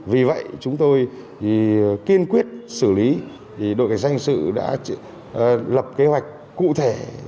vì vậy chúng tôi kiên quyết xử lý đội cảnh sát hình sự đã lập kế hoạch cụ thể